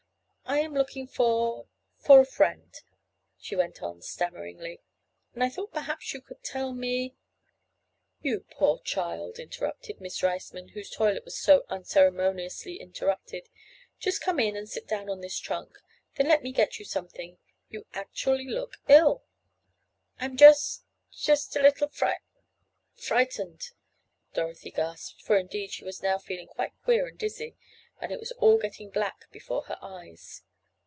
"I am looking for—for a friend," she went on, stammeringly, "and I thought perhaps you could tell me—" "You poor child," interrupted Miss Riceman whose toilet was so unceremoniously interrupted "just come in and sit down on this trunk. Then let me get you something. You actually look ill." "I'm just—just a little fri—frightened," Dorothy gasped, for indeed she was now feeling queer and dizzy, and it was all getting black before her eyes.